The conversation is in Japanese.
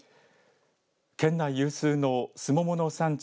県内有数のスモモの産地